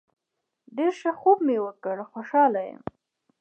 ډیر ښه خوب مې وکړ خوشحاله یم